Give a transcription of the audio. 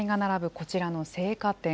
こちらの青果店。